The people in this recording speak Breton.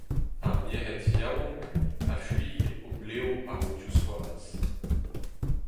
Ar merc'hed yaouank, a-fuilh o blev ar o divskoaz.